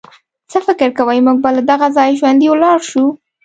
څه فکر کوئ، موږ به له دغه ځایه ژوندي ولاړ شو.